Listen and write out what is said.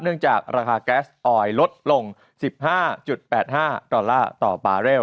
เนื่องจากราคาแก๊สออยลดลง๑๕๘๕ต่อบาร์เรล